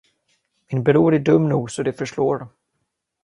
Bror min är nog dum så det förslår.